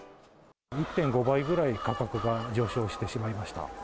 １．５倍ぐらい価格が上昇してしまいました。